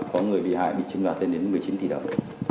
có người bị hại bị chiếm đoạt lên đến một mươi chín tỷ đồng